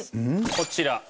こちら。